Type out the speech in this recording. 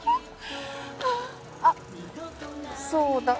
あっそうだ。